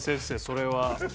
それは。